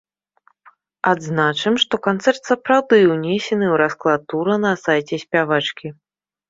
Адзначым, што канцэрт сапраўды ўнесены ў расклад тура на сайце спявачкі.